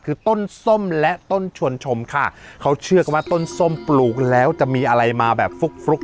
คือต้นส้มและต้นชวนชมค่ะเขาเชื่อกันว่าต้นส้มปลูกแล้วจะมีอะไรมาแบบฟลุกฟลุก